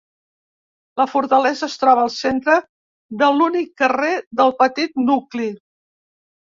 La fortalesa es troba al centre de l'únic carrer del petit nucli.